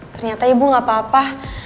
ternyata ibu gak apa apa